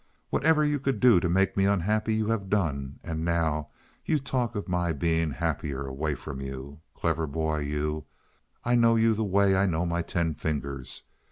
Whatever you could do to make me unhappy you have done, and now you talk of my being happier away from you. Clever boy, you! I know you the way I know my ten fingers.